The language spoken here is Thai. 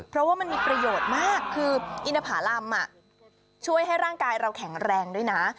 เพราะว่ามันมีประโยชน์มากคืออินทภารำช่วยให้ร่างกายเราแข็งแรงด้วยนะ